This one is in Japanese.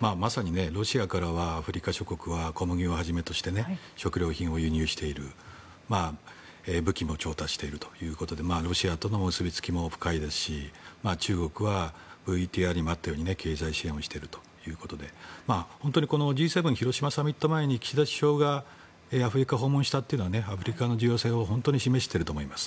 まさにロシアからはアフリカ諸国は小麦をはじめとして食料品を輸入している武器も調達しているということでロシアとの結びつきも深いですし中国はＶＴＲにもあったように経済支援をしているということで本当にＧ７広島サミット前に岸田首相がアフリカを訪問したというのはアフリカの重要性を本当に示していると思います。